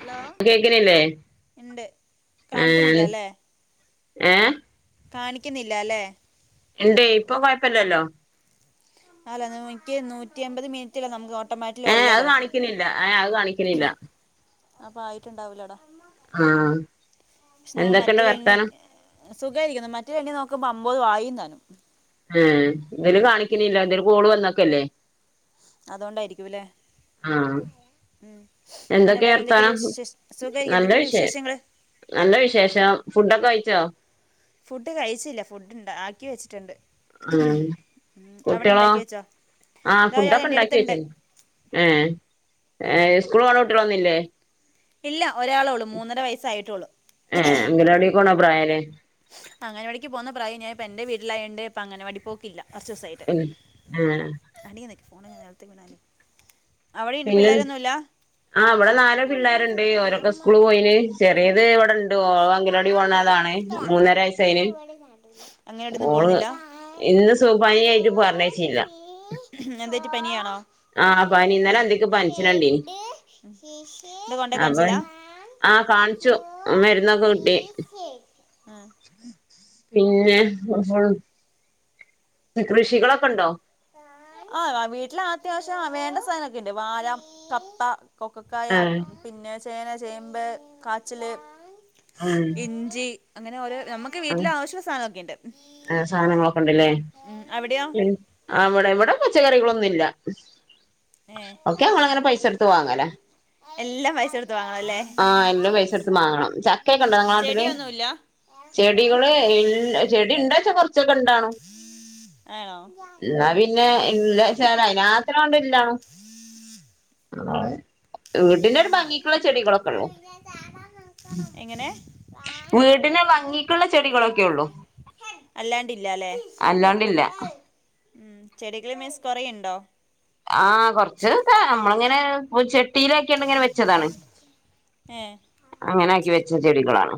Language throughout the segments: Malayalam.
ഹലോ കേക്കണല്ലേ ഇണ്ട് കാണിക്കുന്നില്ല ഏഹ് ഏ കാണിക്കുന്നിലല്ലേ എന്ത്യേ ഇപ്പൊ കുഴപ്പില്ലല്ലോ ഹലോ നോക്കികേം നൂറ്റിഎമ്പത് മിനിറ്റ്. റ്റല്ലേ നമുക്ക് ഓട്ടോമാറ്റിക്ക് ഏഹ് അത് ഉള്ളത് കാണിക്കണില്ല ഏഹ് അത് കാണിക്കണില്ല അപ്പൊ ആയിട്ടുണ്ടാവൂലടാ ആഹ് പക്ഷെ നാം എന്തൊക്കെണ്ട് മറ്റേ എണ്ണ വർത്താനം സുഖമായിരിക്കുന്നു മറ്റൊരു എണി നോക്കുമ്പോ അമ്പത് ആയിതാനും ഏ ഇതില് കാണിക്ക്ണില്ല ആന്റല് കോള് വന്നക്കല്ലേ. അതൊണ്ടായിരിക്കുല്ലേ ആഹ് ഉം പിന്നെ എന്തൊക്കെയാ വേറെ എന്തൊക്കേണ്ട് വർത്താനം വിഷ്‌ വിശേ സുഖയിരിക്ക്ണ്ടോ നല്ല എന്തെക്ക വിഷയം വിശേഷങ്ങള്. നല്ല വിശേഷം ഫുഡൊക്കെ കഴിച്ചോ? ഫുഡ് കഴിച്ചില്ല ഫുഡ് ഇണ്ടാക്കി വെച്ചിട്ടുണ്ട്. ആ ഉം അവിടെ കുട്ട്യളോ ഇണ്ടാക്കി വെച്ചോ ആഹ ഇതാ ഒരാൾ ഫുഡൊക്കെ എൻ്റെ ഇണ്ടാക്കി അടുത്തുണ്ട് വെച്ചിനി. ഏ സ്കൂൾ പോണ കുട്ട്യാളൊന്നും ഇല്ലേ? ഇല്ല ഒരാൾ ഒള്ളൂ മൂന്നര വയസ്സായിട്ടുള്ളൂ. ഏ അംഗനവാടിക്ക് പോണ പ്രായാല്ലേ. അങ്ങനവാടിക്ക് പോവുന്ന പ്രായം ഞാൻ ഇപ്പോൾ എന്റെ വീട്ടിലായോണ്ട് ഇപ്പം അങ്ങനവാടി പോക്കില്ല കുറച്ച് ദിവസായി. ഉ അങ്ങനെണ് അനിയൻ തട്ടി ഫോൺ അങ്ങ് നിത്തി വിണാലേ അവിടെ ഈ പിന്നെ പിള്ളേരൊന്നുമില്ല? ആഹ് ഇവിടെ നാല് പിള്ളേരുണ്ട് ഓരൊക്കെ അമ്മ സ്കൂള് ഇ പോയിന് വളിട ചെറിയത് ഇവിടെണ്ട് ഞാൻ ഓള് ഫ അംഗനവാടി പോണതാണ് ആടിട്ട മൂന്നര വയസ്സായിന് ഇ വളി അങ്ങാടിന്ന് ഓള് പോന്നില്ല? ഇന്ന് സൂ പനി ആയിട്ട് പറഞ്ഞ യിച്ചില്ല എന്തേറ്റി ആ പനി ഇന്നലെ അന്തിക്ക് പനിച്ചിനുണ്ടീനി ഷെഡ് ഷിസ് ഇദ് കൊണ്ടക്കെ അപ്പൊ ആഹ കാണിച്ചു മരുന്നൊക്കെ കിട്ടി ആഹ പിന്നെ [unintelligible] കൃഷികളൊക്കെ ഇണ്ടോ? ആഹ വീട്ടിൽ അത്യാവശ്യം വേണ്ട സാധനം ഒക്കെ ഇണ്ട് വായ, കപ്പ കൊക്കക്കായ ആഹ് പിന്നെ ചേന, ചേമ്പ് കാച്ചില് ആഹ് ഇഞ്ചി അങ്ങനെ ഓരോ നമുക്ക് വീട്ടില് ആവശ്യമുള്ള സാധനം ഒക്കെണ്ട് ആ സാധനങ്ങളൊക്കെണ്ടല്ലേ അവിടെ ഇവിടെ പച്ചക്കറികളൊന്നും ഇല്ല ഏ ഒക്കെ ഞങ്ങൾ ങ്ങനെ പൈസ ടുത്ത് വാങ്ങല എല്ലാം പൈസ കൊടുത്ത് വാങ്ങണല്ലേ ആ എല്ലാം പൈസ എടു ത്ത് മാങ്ങണം ചക്കെഒക്കെ ഇണ്ടോ ഇങ്ങടെ നാട്ടില്? ചെടിയൊന്നുമില്ല ചെടികള് ഇല്ല ചെടി ഇണ്ടോയ്ച്ച കൊറച്ച് കൊറച്ചൊക്കെ ഇണ്ടാണും ആണോ എന്നാ പിന്നെ [unintelligible] അത്രാണ്ടില്ലാണും [unintelligible] വീട്ടിലൊരു ഭംഗിക്കുള്ള ചെടികളൊക്കെ ഉള്ളൂ എങ്ങനെ വീട്ടിനാഭംഗി അല്ലാണ്ടില്ല ല്ലേ അല്ലാണ്ടില്ല ഉം ചെടികൾ മീൻസ് കൊറെ ഇണ്ടോ? ആഹ കൊറച്ച്ഒക്കെ നമ്മളിങ്ങനെ പൂ ചെ ചെട്ടിലാക്കിയാണ്ട് ഇങ്ങനെ വെച്ചതാണ് ഏ അങ്ങനെ ആക്കി വെച്ച ചെടികളാണ്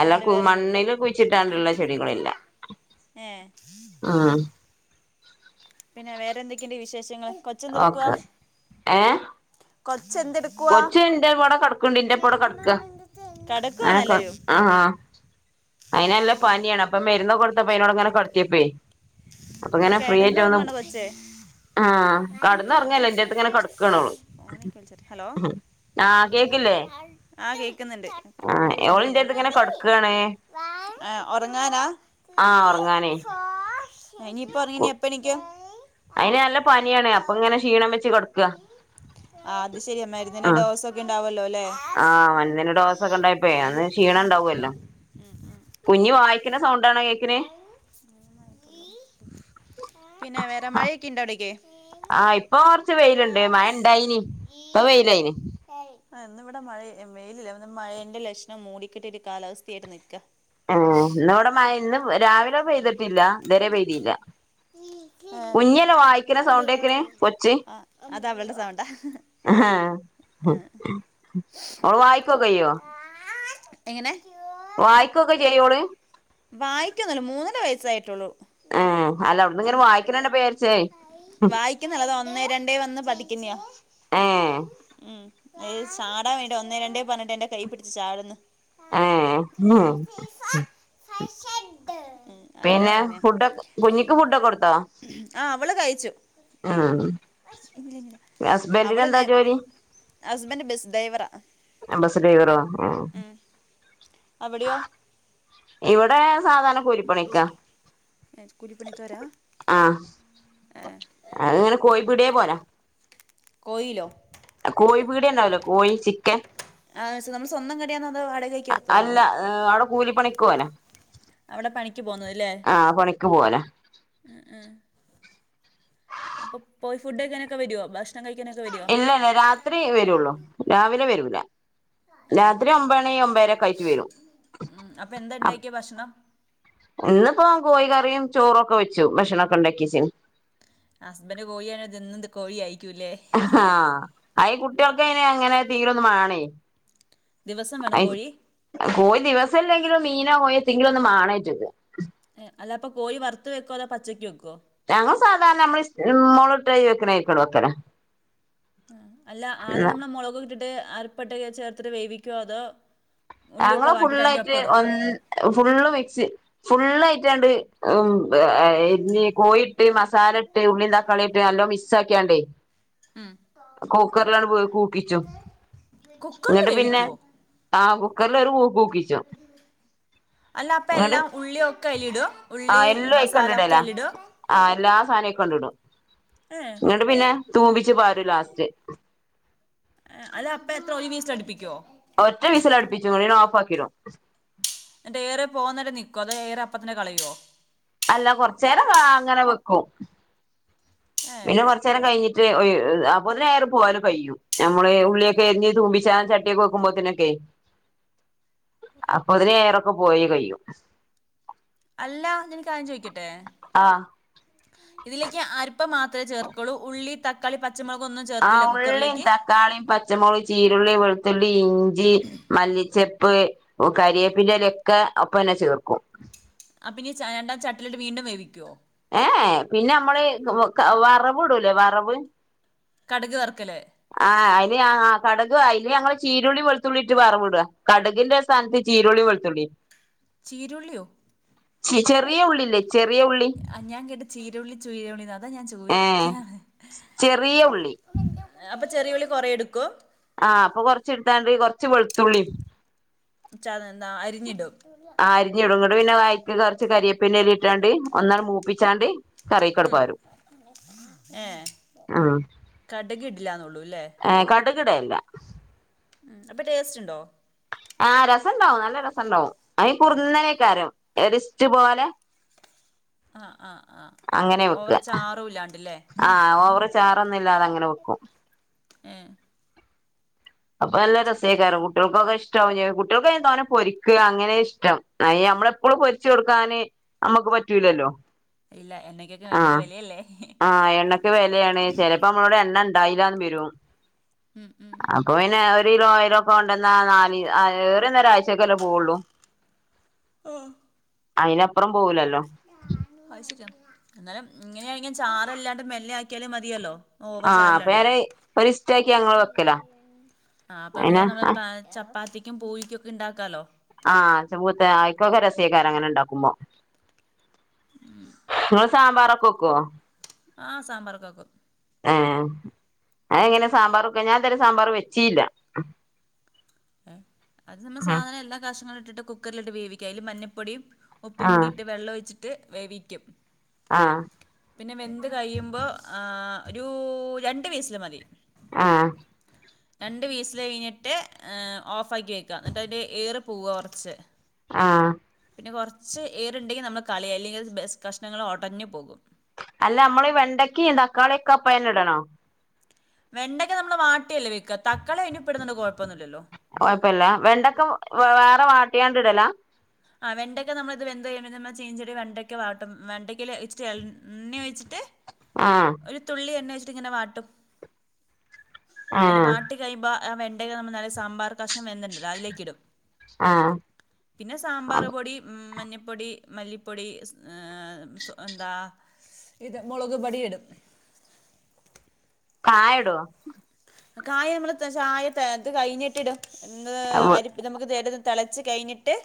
അല്ല കു വേറൊന്നുമില്ല മണ്ണില് കുഴിച്ചിട്ടാണ്ടുള്ള അട്ടിങ്ങി നിക്ക് ചെടികളില്ല ഏ ഉം പിന്നെ വേറെന്തൊക്കെണ്ട് വിശേഷങ്ങൾ കൊ ഓക്കെ ഏ.. കൊച്ചെന്തെടുക്കുവാ കൊച്ച് ന്റെ ഇവടെ കിടക്കണ്ട് ഇന്റെപ്പടെ കിടക്ക കടക്കുവാണല്ലാരും ആഹാ അയ്ന്നല്ല പനിയാണ് അപ്പൊ മരുന്ന് കൊടുത്തപ്പേ അയ്നോട് ങ്ങനെ കടത്തിപ്പേ അപ്പൊ അല്ല ഇങ്ങനെ ഫ്രീ ആയിട്ട് വന്നു കിടന്നുറങ്ങാണ് കൊച്ചേ ആഹ് കടന്ന് ഒറങ്ങല്ല ഇന്റെ അടുത്ത് ഇങ്ങനെ കേടക്കാണ് ഓള് വിളിച്ചട്ടെ ഹലോ ആഹ കേക്ക്ന്നുണ്ട് ആഹ് കോള് ഓള് വരുന്നുണ്ടേ എന്റെടുത്ത് ഇങ്ങനെ കടക്കാണ് ആ ഉറങ്ങാനാ? ആഹ ഉറങ്ങാനേ ഏ ഇനിയിപ്പൊ ഒറങ്ങി ഇനി എപ്പൊ എണീക്കും? അയിന് നല്ല പനിയാണ് അപ്പൊ ഇങ്ങനെ ക്ഷീണം വെച്ച് കെടക്ക ആ അത് ശരിയ മരുന്ന്ന്റെ ഡോസ് ഒക്കെ ഇണ്ടാവല്ലോ ല്ലേ? ആഹ് മരുന്നിന് ഡോസ് ഒക്കെ ഇണ്ടായപ്പേ അന്ന് ക്ഷീണം ഇണ്ടാവല്ലോ. ഉം. കുഞ്ഞു വായിക്കുന്ന സൗണ്ടാണ് കേൾ [unintelligible] പിന്നെ വേറെ മഴയൊക്കെ ഇണ്ടോ അവിടേക് ആഹ് ഇപ്പൊ കൊറച്ച് വെയിലുണ്ട് മയാ ഇണ്ടായിന് ഇപ്പ വെയിലായിന് ഇന് ഇവിടെ മഴ മെയിലില്ല മഴേന്റെ ലക്ഷണം മൂടിക്കിട്ട കാലാവസ്ഥയായിറ്റ് നിക്ക ആ ഇന്നിടെ മഴ ഇന്നും രാവിലെ പെയ്തിട്ടില്ല ഇദ്വരെ പെയ്തില്ല നിൽക്കുക കുഞ്ഞന വായിക്കുന്ന സൗണ്ടേക്കിന് കൊച്ച് ആ അത് അവളുടെ സൗണ്ടാ ആ ഓൻ ആയിക്കോ കേയോ എങ്ങനെ വായിക്കൊക്കെ ചെയ്യോ ഓള്? വായിക്കന്നല്ല മൂന്നര വയസ്സായിട്ടുള്ളൂ ആ അല്ല അവിടന്ന് ഇങ്ങനെ വായിക്കണണ്ട പേരിച്ചേ വായിക്കുന്നെയാത് ഒന്നേ രണ്ടേ വന്ന് പഠിക്കുന്ന്യാ ഏ ഉം ഏ ചാടാ വേണ്ട ഒന്നേ രണ്ടേ പറഞ്ഞിട്ടേന്റെ കൈ പിടിച് ചാട്ന്ന് ആഹ് [inaudible] മ് പിന്നെ ഫുഡൊ കുഞ്ഞിക്ക് ഫുഡൊക്കെ കൊടുത്താ? ആ അവള് കഴിച്ചു ആഹ്‌ ഇല്ല ഇല്ല അവള് ഹസ്ബൻഡിനന്താ നേ ജോലി? ഹസ്ബൻഡ് ബസ് ഡ്രൈവറാ ബസ് ഡ്രൈവറോ ആഹ് ഉം അവിടെയോ ഇവിടെ സാധാരണ കൂരിപ്പണിക്കാ ഏ സ്കൂലിപ്പണിക്കാരാ ആ അത്ങ്ങനെ കോഴപിട്യേ പോവനോ. കൊയിലോ കോഴി പീടിയണ്ടാവുലെ കോഴി ചിക്കൻ ആ സൊ സ്വന്തം കടയാന്നോ അതോ വടകക്ക് എടുത്തോ അല്ല അടെ കൂലിപണിക്ക് പോവനാ. അവിടെ പണിക്ക് പോകുന്നതല്ലേ ആ പണിക്ക് പോവാന. ഉം ഉം അപ്പൊ പോയി ഫുഡ്കഴിക്കാനൊക്കെ വരോ ഭ ഭക്ഷണം കഴിക്കാനൊക്കെവെരോ ഇല്ലല്ല രാ ത്രിയെ വരുള്ളൂ രാവിലെ വരൂല ആ രാത്രി ഒമ്പണി ഒമ്പരക്കായ്റ്റ് വരും ഉം അപ്പ എന്താണ്ടാക്കിയെ ഭക്ഷണം ഇന്നിപ്പോ കോയികറിം ചോറും ക്കെ വെച്ചു ഭക്ഷണൊക്കെ ഉണ്ടാക്കിച്ണ് ഹസ്ബന്റ് കോഴിയാണ് ത്ന്ന് എന്നുംത് കോഴി ആയിക്കൂല്ലേ ആഹ് അയിന് കുട്ടിൾക്കയിന് അങ്ങനെ തീലൊന്ന് മാണെയ് ദിവസം വേണോ കോഴി? കോയി ദിവസല്ലെങ്കിലും മീനാ കൊയോ എത്തേങ്കിലും ഒന്ന് മാണേറ്റക്ക് എ അല്ല അപ്പോ പോഴി വറുത്ത് വയ്ക്കോ അതോ പച്ചക്ക് വയ്ക്കോ ഞങ്ങള് സാധാരണ നമ്മള് മൊള്ട്ട് രി വെക്കണരി വെക്കല ആ അല്ല ആദ്യം നമ്മള മുളക് ഇട്ടിട്ട് അരിപ്പട്ട ചേർത്തിട്ട് വേവിക്കോ അതോ ഞങ്ങള ഉള്ളിയൊക്കെ വാട്ടിട്ട് അതിന്റെ ഫുള്ളായിട്ട് ഒപ്പം ഇടോ ഒന്ന് ഫുള്ള് മിക്സ് ഫുള്ളായിട്ട്ണ്ട് ഉം. എര്ഞ് കോഴിട്ട് മസാലട്ട് ഉള്ളിൻ തക്കാളിട്ട് നല്ലോ മിസ്സാക്കിയാണ്ടേ കൂക്കറിലാണ് കൂക്കിച്ചു കുക്കറിൽ ന്നിട്ട് പിന്നെ വേവിക്കുവോ ആ കുക്കറില് ഒരു കൂക്കൂക്കിച്ചും അല്ല അപ്പ എല്ലാ ഉള്ളിയൊക്കെ അലിടു? ആ എല്ലു ആയിക്കെന്നെ ഇടല ആ എല്ലാ സാധനും ആയിക്കണ്ടിടും ഏ ന്നട്ട് പിന്നെ തൂമ്പിച്ച് പാരും ലാസ്റ്റ് അത് അപ്പ എത്ര ഒരു വീസി അടുപ്പിക്കുവോ ആ ഒറ്റ വിസൽ അട്പ്പിച്ചും ന്നട്ട് പിന്നെ ഓഫാക്കിടും ന്നട്ട് എയർ പോകന്നരെ നിക്കോ അത എയർ അപ്പ തന്നെ കളയൊ അല്ല കുറച്ചേരം അങ്ങനെ വെക്കും ഏ പിന്നെ കൊറ ചേരം കഴിഞ്ഞിട്ട് അപോ എയർ പോവല് കയ്യും നമ്മള് ആ ഉള്ളി ക്കെരിഞ് തൂമ്പിച്ചാൻ ചട്ടിക്കെ വെക്കുമ്പോത്തിനൊക്കെ അപ്പോത്തിന് എയർക്കെ പോയി കയ്യും അല്ല ഞാനൊരുക്കാര്യം ചോയ്ക്കട്ടെ ആഹ് ഇതിലേക്ക് അര്പ്പം മാത്രമേ ചേർക്കുള്ളൂ ഉള്ളി തക്കാളി പച്ചമുളക് ഒന്നും ചേർക്കില്ല കുക്കറിലേക്ക് ക്കാളീം പച്ചമുള് ചീരുള്ളി വെളുത്തുള്ളി ഇഞ്ചി മല്ലിച്ചെപ്പ് ഓ കരിയേപ്പിന്റെലെഒക്കെ അപ്പന്നെ ചേർക്കും അപ്പം ഇനി എന്താ ചട്ടിലിട്ട് വീണ്ടും വേവിക്കുവോ ഏഹ് പിന്നെ നമ്മള് വറവ് ഇടൂലേ വറവ് കടുക് വറക്കല് ആഹ് അയിന് ആഹ് കടുക് അതിന് ഞങ്ങള് ചീരള്ളി വെളുത്തുള്ളി ഇട്ടാ വറവ് ഇടുക കടുകിന്റെ സ്ഥാനത്ത് ചീരുള്ളി വെളുത്തുള്ളി ചീരുള്ളിയോ ചെ ചെറിയ ഉള്ളിയില്ലേ ചെറിയ ഉള്ളി ആ, ഞാൻ കേട്ട ചീരുള്ളി ചീര ഉള്ളി അതാ ഞാൻ ഏഹ് ചോദിക്കാൻ ചെറിയ ഉള്ളി അപ്പൊ ചെറിയുള്ളി കൊറേ എടുക്കോ ആഹ് അപ്പൊ കൊറച്ച് എടുത്താണ്ട് കൊറച്ച് വെളുത്തുള്ളിയും ച്ചത എന്താ അരിഞ്ഞിടും അരിഞ്ഞിടും എന്നിട്ട് പിന്നെ വയറ്റി കുറച്ച് കരിയാപ്പില ഇട്ടാണ്ട് ഒന്നാള് മൂപ്പിച്ചാണ്ട് കറിക്കട് ഉം പാരും ഏഹ് ഉം കടുക് ഇടില്ലാന്നേയുള്ളൂല്ലേ അട കടയല്ല ഉം അപ്പൊ ടേസ്റ്റ് ഉണ്ടോ ആഹ് രസം ഉണ്ടാവും നല്ല രസം ഉണ്ടാവും കുറുനേരേകാരം റിസ്റ്റ് പോലെ [inaudible] ആഹ് ആഹ് ആഹ് അങ്ങനെ വെക്ക ഓവറ് ചാറും ഇല്ലാണ്ട് അല്ലേ ആഹ് ഓവറ് ചാറൊന്നും ഇല്ലാതെ അങ്ങനെ വെക്കും ഏഹ് അപ്പൊ നല്ല ഛെ രസായി ക്കാണും കുട്ടികൾക്കൊക്കെ ഇഷ്ടാവും കുട്ടികൾക്ക് തോനെ പൊരിക്ക് അങ്ങനെ ഇഷ്ടം അയിന് നമ്മളെപ്പോഴും പൊരിച്ചു കൊടുക്കാന് നമ്മുക്ക് പറ്റൂലല്ലോ ഇല്ല എണ്ണക്കൊക്കെ ഭയങ്കര ആഹ് വിലയല്ലേ ആഹ് എണ്ണയ്ക്ക് വിലയാണ് ചിലപ്പോ നമ്മളോടെ എണ്ണ ഉണ്ടായില്ലാന്ന് വരും ഉം ഉം അപ്പൊ പിന്നെ ഒരു കിലോ ആയിരം ഒക്കെ കൊണ്ടന്നാ നാല് [unintelligible] ഒരാഴ്ചയക്കെല്ലേ പോവുള്ളൂ ആഹ് അതിനപ്പുറം പോകൂലല്ലോ അത് ശെരിയാ എന്നാലും ഇങ്ങനെയണങ്കി ചാറില്ലാണ്ട് മെല്ലെ ആക്കിയാലും മതിയല്ലോ ഓവർ ആഹ് അപ്പൊ ചാറില്ലാണ്ട് ഞാന് ഒരിസ്റ്റാക്കി ഞങ്ങള് വെക്കലാ ആഹ് അപ്പൊ പിന്നെ അയിന് നമ്മള് ചപ്പാത്തിക്കും പൂരിക്കുമൊക്കെ ഉണ്ടാക്കാലോ ആഹ് ച മൂത്ത ആയിക്കൊക്കെ രസക്കാര് അങ്ങനെ ഉണ്ടാക്കുമ്പോ നിങ്ങള് സാമ്പറൊക്കെ വെക്കുവോ ആഹ് സാമ്പറൊക്കെ വെക്കും ആഹ് അത് എങ്ങനെയാ സാമ്പാറ് ഒക്കെ ഞാൻ എന്തായാലും സാമ്പാറ് വെച്ചേയില്ല അത് നമ്മ സാധനം എല്ലാ കഷ്ണങ്ങളും ഇട്ടിട്ട് കുക്കറിലിട്ട് വേവിക്കുക അതില് മഞ്ഞപ്പൊടിയും ഉപ്പും ആഹ് കൂടിയിട്ട് വെള്ളമൊഴിച്ചിട്ട് വേവിക്കും ആഹ് പിന്നെ വെന്ത് കഴിയുമ്പോൾ ആഹ് ഒരു രണ്ട് വിസില് മതി ആ രണ്ട് വിസിൽ കഴിഞ്ഞിട്ട് ഓഫാക്കി വെക്ക ന്ന്ട്ട് അയ്ന്റെ ഏറ് പോവ കൊർച്ച് ആ പിന്നെ കൊർച്ച് ഏറ് ണ്ടെങ്കി നമ്മള് കളയും അല്ലെങ്കി ബസ് കഷ്ണങ്ങള് ഒടഞ്ഞു പോകും അല്ല നമ്മളീ വെണ്ടക്കീം തക്കാളി ഒക്കെപ്പയ്ല്ടണോ വെണ്ടയ്ക്ക നമ്മള് വാട്ടിയല്ലേ വെക്ക തക്കാളി അയ്ന്റൊപ്പട്ന്നോണ്ട് കൊഴപ്പൊന്നുല്ലല്ലോ കൊഴപ്പല്ല വെണ്ടയ്ക്ക വേറെ വാട്ടിയാണ്ട്ടലാ ആ വെണ്ടക്ക നമ്മള് ഇത് വെന്തു കഴിയുമ്പം നമ്മള് ചീനി ചട്ടി വെണ്ടക്ക വാട്ടും വെണ്ടക്കേല് ഇച്ചിരി എണ്ണ ഒഴിച്ചിട്ട് ആ ഒരു തുള്ളി എണ്ണ ഒഴിച്ചിട്ട് ങ്ങനെ വാട്ടും ഒരു ആഹ് വാ ട്ട് കഴിയുമ്പ ആ വെണ്ടെല് നമ്മ നല്ല സാമ്പാറ് കഷ്ണം വെന്തിണ്ടല്ലോ അതിലേക്കിടും ആ സാമ്പാറ് പൊടി, മഞ്ഞപ്പൊടി, മല്ലിപ്പൊടി സ് സൊ എന്താ ഇത് മൊളക്പൊടി ഇടും കായടോ കായം അമ്മള് [unintelligible] ഇത് കഴിഞ്ഞിട്ടിടും എന്ത് അരി ഇത് നമ്മക്ക് തെളച്ച് കഴിഞ്ഞിട്ട്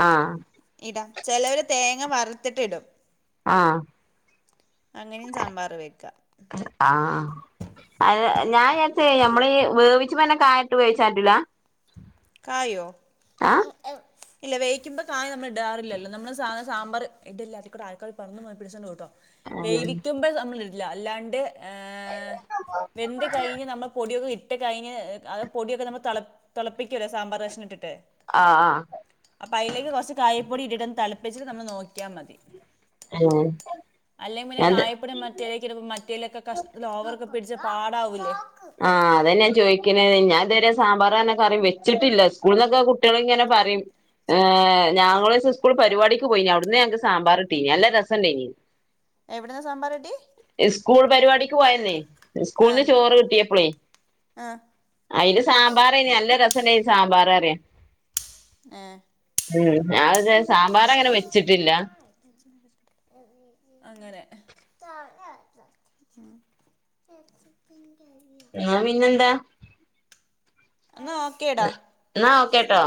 ആ ഇടാ ചെലോര് തേങ്ങ വറുത്തിട്ട് ഇടും ആ അങ്ങനേം സാമ്പാറ് വെക്കാ ആ അയ്ന് ഞാൻ ചാരിച്ചേ ഞമ്മളീ വേവിച്ചുമ്പന്നെ കായട്ട് വേവിച്ചാ പറ്റൂല കായോ ആഹ് ഇല്ല വേയിക്കുമ്പ കായം നമ്മളിടാറില്ലല്ലോ നമ്മള് സാധ സാമ്പാറ് ആഹ് വേവിക്കുമ്പൊ നമ്മളിടില്ല അല്ലാണ്ട് ഏ വെന്ത് കഴിഞ്ഞ് നമ്മള് പൊടിയൊക്ക ഇട്ട് കഴിഞ്ഞ് അത് പൊടിയൊക്ക നമ്മള് തെള പ്പിക്കല്ലോ സാമ്പാറ് കഷ്ണട്ടിട്ട് ആ ആ അപ്പയിലേക്ക് കൊർച്ച് കായപ്പൊടി ഇട്ടിട്ടൊന്ന് തളപ്പിച്ചിട്ട് നമ്മള് നോക്ക്യ മതി ആ അല്ലേ പിന്നെ കായപ്പൊടി മറ്റേലേക്കിടുമ്പം മറ്റേലൊക്കെ കഷ്ണത്തിൽ ഓവർക് പിടിച്ച് പാടാവൂല്ലേ ആ അതെന്നെ ഞാൻ ചോയ്ക്ക്ണത് ഞാൻ ഇതുവരെ സാമ്പാർ ന്ന് പർഞ കറി വെച്ചിട്ടില്ല സ്കൂൾന്നൊക്ക കുട്ട്യാളിങ്ങനെ പറയും ഏ ഞങ്ങളൊരീസം സ്കൂള്ക്ക് പരിപാടിക്ക് പോയിനി അവ്ട്ന്ന് ഞങ്ങക്ക് സാമ്പാറ് കിട്ടിനി നല്ല രസണ്ടേനി എവിട്ന്ന് സാമ്പാറ് കിട്ടി സ്കൂൾ പരിപാടിക്ക് പോയന്നേ സ്കൂള്ന്ന് ആഹ് ചോറ് കിട്ടി ആഹ് അയില് സാമ്പാറേനി നല്ല രസണ്ടേയ്നി സാമ്പാറ് പറിയ ഏഹ് ഉം അത് ഞാൻ സാമ്പാറങ്ങനെ വെച്ച്ട്ടില്ല അങ്ങനെ ന്ന പിന്നെന്താ ന്നാ ഓക്കെടാ എന്നാ ഓക്കേട്ടോ